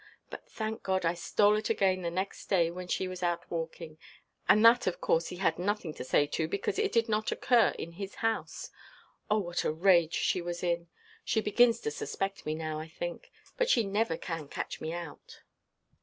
But, thank God, I stole it again the next day when she went out walking; and that of course he had nothing to say to, because it did not occur in his house. Oh what a rage she was in! She begins to suspect me now, I think; but she never can catch me out."